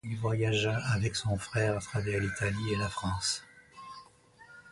Il voyagea avec son frère à travers l'Italie et la France.